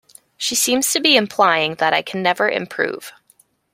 She seems to be implying that I can never improve.